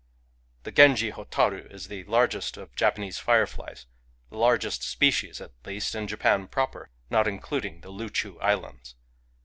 The Genji botaru is the largest of Japanese fire flies, — the largest species, at least, in Japan proper, not including the Loochoo Islands.